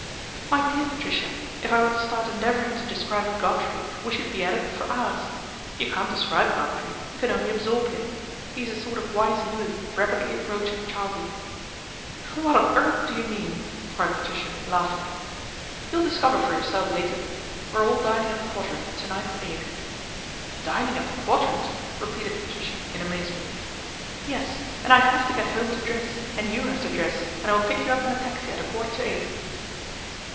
" My dear Patricia, if I were to start endeavour ing to describe Godfrey we should be at it for hours. You can't describe Godfrey, you can only absorb him. He is a sort of wise youth rapidly approaching childhood." ' What on earth do you mean ?" cried Patricia, laughing. A BOMBSHELL 177 1 You will discover for yourself later. We are all dining at the Quadrant to night at eight." " Dining at the Quadrant ?" repeated Patricia in amazement. " Yes, and I have to get home to dress and you have to dress and I will pick you up in a taxi at a quarter to eight."